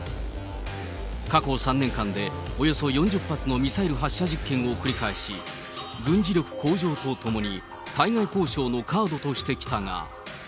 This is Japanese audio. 過去３年間でおよそ４０発のミサイル発射実験を繰り返し、軍事力向上とともに、対外交渉のカードとしてきたが。